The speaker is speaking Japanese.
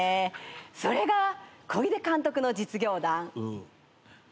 それが小出監督の実業団。